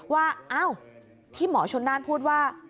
ว่าอ้าวที่หมอชนน่านพูดว่า